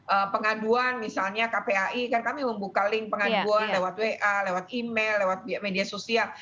ada pengaduan misalnya kpai kan kami membuka link pengaduan lewat wa lewat email lewat media sosial